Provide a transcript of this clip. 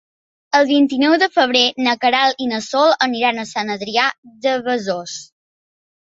El vint-i-nou de febrer na Queralt i na Sol aniran a Sant Adrià de Besòs.